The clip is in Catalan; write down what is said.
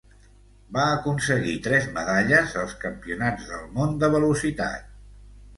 Va aconseguir tres medalles als Campionats del món de velocitat.